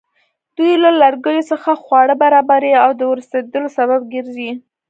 دوی له لرګیو څخه خواړه برابروي او د ورستېدلو سبب ګرځي.